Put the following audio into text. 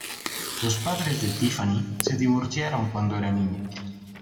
Los padres de Tiffany se divorciaron cuando era niña.